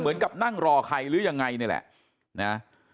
เหมือนกับนั่งรอใครหรือยังไงนี่แหละนะ